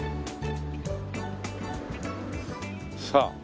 さあ！